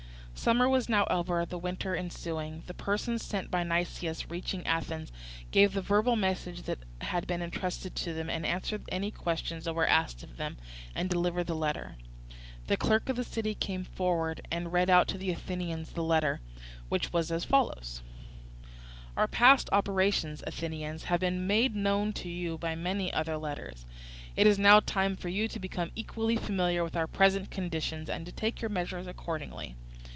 Summer was now over. The winter ensuing, the persons sent by Nicias, reaching Athens, gave the verbal messages which had been entrusted to them, and answered any questions that were asked them, and delivered the letter. The clerk of the city now came forward and read out to the Athenians the letter, which was as follows: "Our past operations, Athenians, have been made known to you by many other letters; it is now time for you to become equally familiar with our present condition, and to take your measures accordingly.